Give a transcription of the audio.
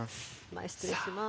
前失礼します。